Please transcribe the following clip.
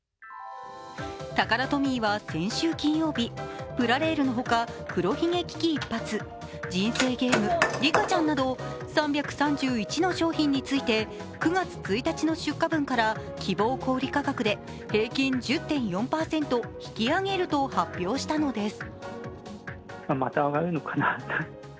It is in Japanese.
タカラトミーは先週金曜日、プラレールの他、黒ひげ危機一発、人生ゲーム、リカちゃんなど３３１の商品について９月１日の出荷分から希望小売価格で平均１０．４％引き上げると発表したのです。